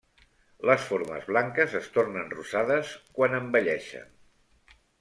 Les formes blanques es tornen rosades quan envelleixen.